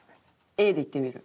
Ａでいってみる？